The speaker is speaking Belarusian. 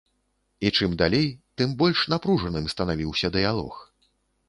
І чым далей, тым больш напружаным станавіўся дыялог.